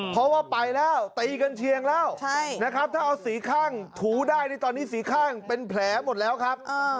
เพราะว่าไปแล้วตีกันเชียงแล้วนะครับถ้าเอาสีข้างถูได้ในตอนนี้สีข้างเป็นแผลหมดแล้วครับ